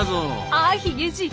あヒゲじい。